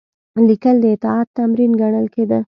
لیکل د اطاعت تمرین ګڼل کېده.